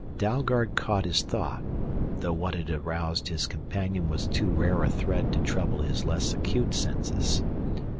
Dalgard caught his thought, though what had aroused his companion was too rare a thread to trouble his less acute senses.